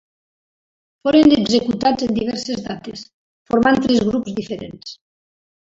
Foren executats en diverses dates, formant tres grups diferents.